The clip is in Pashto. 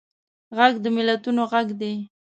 غږ د ملتونو غږ دی